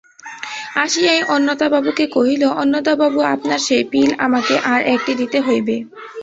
আসিয়াই অন্নদাবাবুকে কহিল, অন্নদাবাবু, আপনার সেই পিল আমাকে আর-একটি দিতে হইবে।